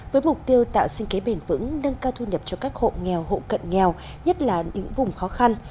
với mục tiêu tạo sinh kế bền vững nâng cao thu nhập cho các hộ nghèo hộ cận nghèo nhất là những vùng khó khăn